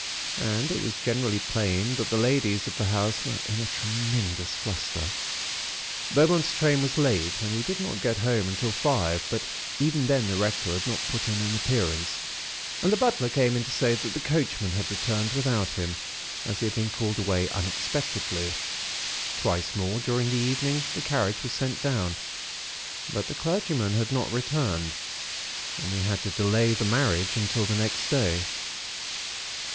And it was generally plain that the ladies of the house were in a tremendous fluster. "Beaumont's train was late, and he did not get home until five, but even then the Rector had not put in an appearance; and the butler came in to say that the coachman had returned without him, as he had been called away unexpectedly. Twice more during the evening the carriage was sent down; but the clergyman had not returned; and we had to delay the marriage until the next day.